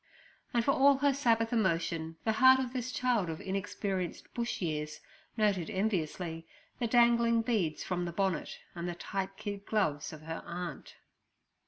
And for all her Sabbath emotion, the heart of this child of inexperienced Bush years, noted enviously the dangling beads from the bonnet and the tight kid gloves of her aunt.